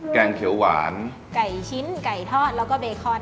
แกงเขียวหวานกล่าวชิ้นกล่าวชิ้น์ไก่ทอดแล้วก็เบคอน